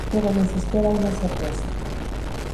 Pero les espera una sorpresa.